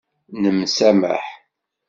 Nemsamaḥ.